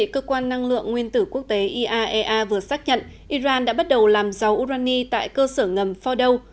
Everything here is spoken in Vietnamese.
cơ quan năng lượng nguyên tử quốc tế iaea vừa xác nhận iran đã bắt đầu làm dầu urani tại cơ sở ngầm fordow